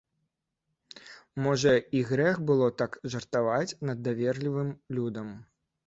Можа, і грэх было так жартаваць над даверлівым людам.